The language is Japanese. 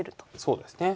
そうですね。